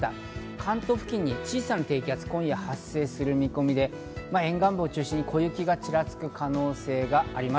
関東付近に小さな低気圧が今夜発生する見込みで、沿岸部を中心に小雪がちらつく可能性があります。